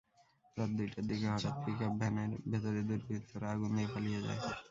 রাত দুইটার দিকে হঠাৎ পিকআপ ভ্যানের ভেতরে দুর্বৃত্তরা আগুন দিয়ে পালিয়ে যায়।